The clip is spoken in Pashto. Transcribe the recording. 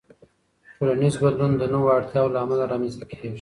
ټولنیز بدلون د نوو اړتیاوو له امله رامنځته کېږي.